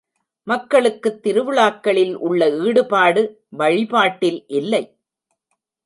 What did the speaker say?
மக்களுக்குத் திருவிழாக்களில் உள்ள ஈடுபாடு வழிபாட்டில் இல்லை.